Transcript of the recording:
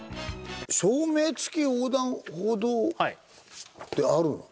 照明付横断歩道ってあるの？